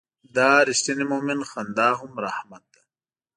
د رښتیني مؤمن خندا هم رحمت ده.